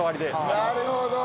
なるほど！